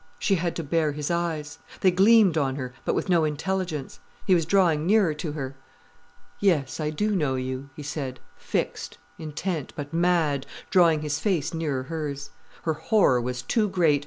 She had to bear his eyes. They gleamed on her, but with no intelligence. He was drawing nearer to her. "Yes, I do know you," he said, fixed, intent, but mad, drawing his face nearer hers. Her horror was too great.